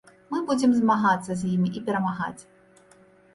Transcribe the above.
Мы будзем змагацца з імі і перамагаць.